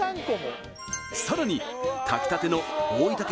さらに炊きたての大分県